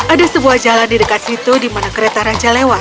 ada sebuah jalan di dekat situ di mana kereta raja lewat